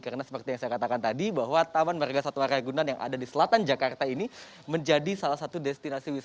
karena seperti yang saya katakan tadi bahwa taman warga suat raya ragunan yang ada di selatan jakarta ini menjadi salah satu destinasi untuk pengunjung